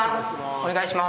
お願いしまーす。